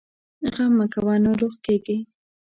غم مه کوه ، ناروغ کېږې!